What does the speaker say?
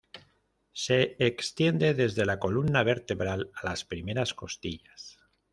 Se extiende desde la columna vertebral a las primeras costillas.